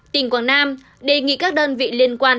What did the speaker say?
tỉnh quảng nam đề nghị các đơn vị liên quan